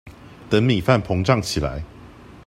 等米飯膨脹起來